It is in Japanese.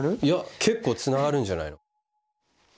いや結構つながるんじゃないの？